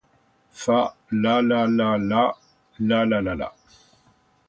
Fa la la la la, la la la la.